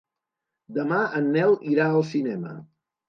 Demà en Nel irà al cinema.